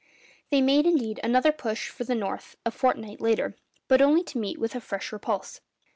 They made, indeed, another push for the north a fortnight later, but only to meet with a fresh repulse.